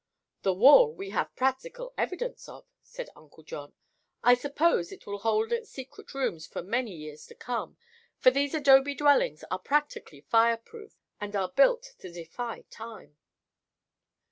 "The wall we have practical evidence of," said Uncle John. "I suppose it will hold its secret rooms for many years to come, for these adobe dwellings are practically fire proof and are built to defy time."